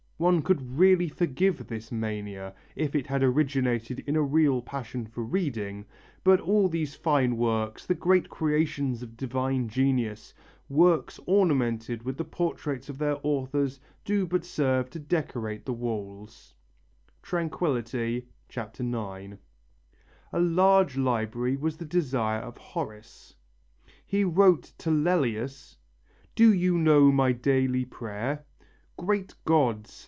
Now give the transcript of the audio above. One could really forgive this mania if it had originated in a real passion for reading, but all these fine works, the great creations of divine genius, works ornamented with the portraits of their authors, do but serve to decorate the walls" (Tranq., IX). A large library was the desire of Horace. He wrote to Lellius: "Do you know my daily prayer? Great Gods!